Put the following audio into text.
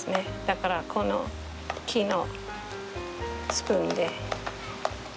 だからこの木のスプーンで。